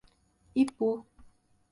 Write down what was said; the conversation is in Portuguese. Ipu